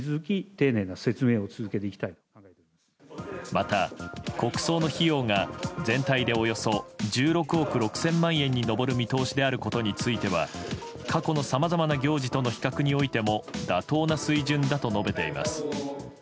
また国葬の費用が全体でおよそ１６億６０００万円に上る見通しであることについては過去のさまざまな行事との比較においても妥当な水準だと述べています。